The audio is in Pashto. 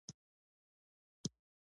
د بیکارۍ کچه څومره ده؟